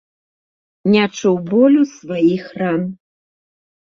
Не чуў болю сваіх ран.